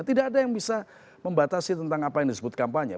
tidak ada yang bisa membatasi tentang apa yang disebut kampanye